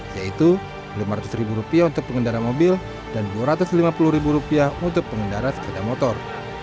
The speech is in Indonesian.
yaitu rp lima ratus untuk pengendara mobil dan rp dua ratus lima puluh untuk pengendara sepeda motor